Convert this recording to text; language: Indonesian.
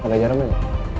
pakai jarum ini